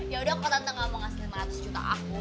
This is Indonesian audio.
ya udah kalau tante gak mau ngasih lima ratus juta aku